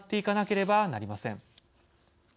かければなりません。